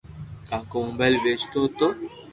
ڪاڪو موبائل ويچتو ھتو